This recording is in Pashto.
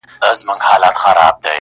هغه نن بيا د واويلا خاوند دی,